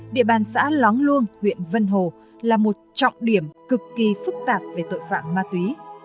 địa bàn xã lóng luông huyện vân hồ là một trọng điểm cực kỳ phức tạp về tội phạm ma túy